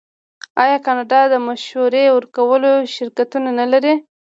آیا کاناډا د مشورې ورکولو شرکتونه نلري؟